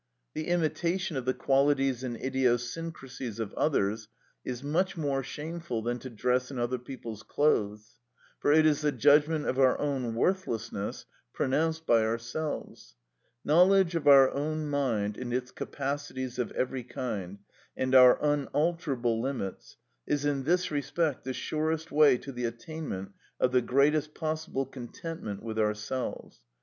The imitation of the qualities and idiosyncrasies of others is much more shameful than to dress in other people's clothes; for it is the judgment of our own worthlessness pronounced by ourselves. Knowledge of our own mind and its capacities of every kind, and their unalterable limits, is in this respect the surest way to the attainment of the greatest possible contentment with ourselves.